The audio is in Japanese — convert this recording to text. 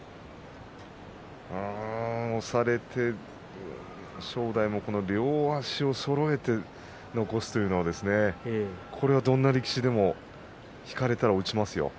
押されて正代も両足をそろえて残すというのはこれはどんな力士でも引かれたら落ちますよ。